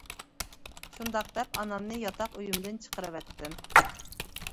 شۇنداق دەپ ئانامنى ياتاق ئۆيۈمدىن چىقىرىۋەتتىم.